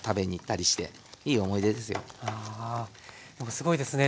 すごいですね。